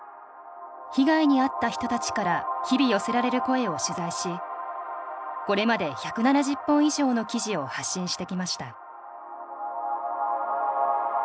被害に遭った人たちから日々寄せられる声を取材しこれまで１７０本以上の記事を発信してきました。